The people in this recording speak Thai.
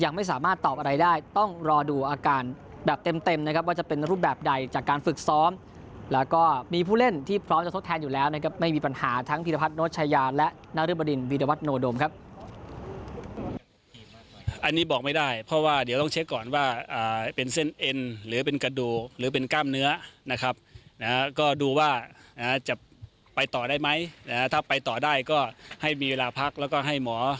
การฝึกซ้อมแล้วก็มีผู้เล่นที่พร้อมจะทดแทนอยู่แล้วนะครับไม่มีปัญหาทั้งภีรพัฒนโนชายาและนริมดินวิทยาวัฒนโดมครับอันนี้บอกไม่ได้เพราะว่าเดี๋ยวต้องเช็คก่อนว่าอ่าเป็นเส้นเอ็นหรือเป็นกระดูกหรือเป็นกล้ามเนื้อนะครับนะฮะก็ดูว่านะฮะจะไปต่อได้ไหมนะฮะถ้าไปต่อได้ก็ให้มีเวลา